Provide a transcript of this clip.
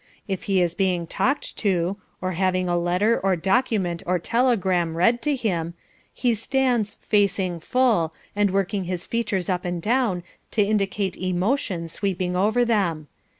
If he is being talked to, or having a letter or document or telegram read to him, he stands "facing full" and working his features up and down to indicate emotion sweeping over them.